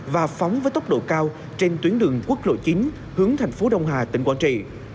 và phóng với tốc độ cao trên tuyến đường quốc lộ chín hướng thành phố đông hà tỉnh quảng trị